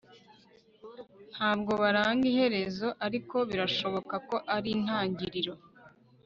ntabwo baranga iherezo ariko birashoboka ko ari intangiriro